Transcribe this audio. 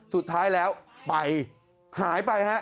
สุดท้ายแล้วไปหายไปฮะ